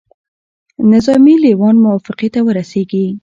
نظامي لېوان موافقې ته ورسیږي.